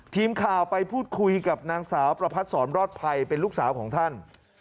ทีมข่าวไปพูดคุยกับนางสาวประพัทธ์สอนรอดภัยเป็นลูกสาวของท่าน